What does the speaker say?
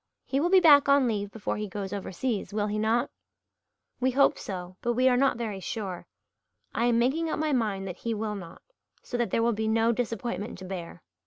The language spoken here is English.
He will be back on leave before he goes overseas, will he not?" "We hope so but we are not very sure. I am making up my mind that he will not, so that there will be no disappointment to bear.